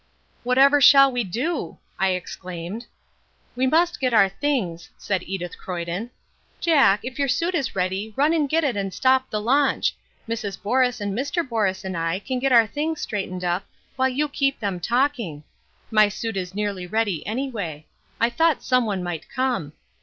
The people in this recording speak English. "Whatever shall we do?" I exclaimed. "We must get our things," said Edith Croyden. "Jack, if your suit is ready run and get it and stop the launch. Mrs. Borus and Mr. Borus and I can get our things straightened up while you keep them talking. My suit is nearly ready anyway; I thought some one might come.